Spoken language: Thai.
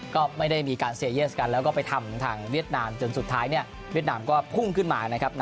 ก็ไม่ได้มีการเซเยสกันแล้วก็ไปทำทางเวียดนามจนสุดท้ายเนี่ยเวียดนามก็พุ่งขึ้นมานะครับ